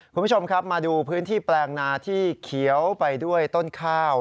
คุณผู้ชมครับมาดูพื้นที่แปลงนาที่เขียวไปด้วยต้นข้าว